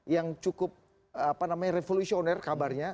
yang cukup apa namanya revolutioner kabarnya